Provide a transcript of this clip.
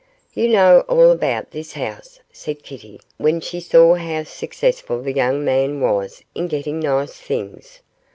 'You know all about this house,' said Kitty, when she saw how successful the young man was in getting nice things.